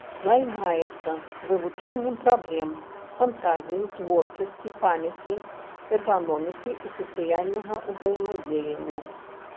Займаецца вывучэннем праблем фантазіі, творчасці, памяці, эрганомікі і сацыяльнага ўзаемадзеяння.